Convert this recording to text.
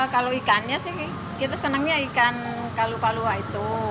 kalau ikannya sih kita senangnya ikan kalupalua itu